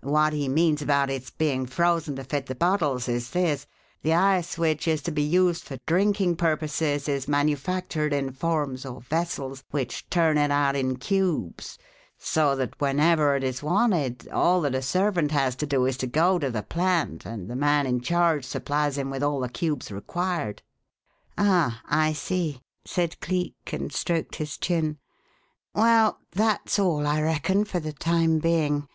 What he means about its being frozen to fit the bottles is this: The ice which is to be used for drinking purposes is manufactured in forms or vessels which turn it out in cubes, so that whenever it is wanted all that a servant has to do is to go to the plant, and the man in charge supplies him with all the cubes required." "Ah, I see," said Cleek, and stroked his chin. "Well, that's all, I reckon, for the time being.